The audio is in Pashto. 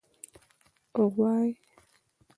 🐂 غوایی